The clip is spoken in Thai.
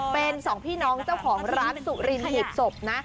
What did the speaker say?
เป็นสองพี่น้องเจ้าของร้านสุรินหีบศพนะ